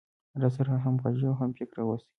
راسره همغږى او هم فکره اوسي.